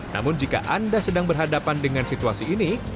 namun jika anda sedang berhadapan dengan situasi ini